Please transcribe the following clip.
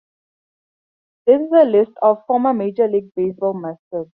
This is a list of former Major League Baseball mascots.